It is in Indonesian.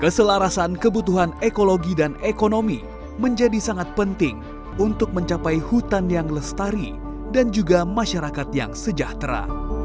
keselarasan kebutuhan ekologi dan ekonomi menjadi sangat penting untuk mencapai hutan yang lestari dan juga masyarakat yang sejahtera